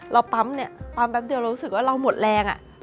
เราปั๊มเนี่ยปั๊มแป๊บเดียวเรารู้สึกว่าเราหมดแรง